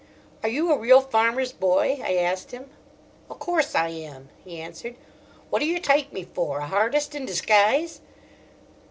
"Are you a real farmer's boy?" I asked him. "O' course I am," he answered. "What do yer tike me for—a hartist in disguise?"